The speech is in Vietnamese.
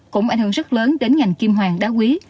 cũng ảnh hưởng rất lớn đến ngành kim hoàng đá quý